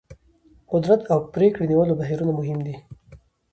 قدرت او پرېکړې نیولو بهیرونه مهم دي.